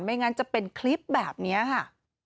งั้นจะเป็นคลิปแบบนี้ค่ะ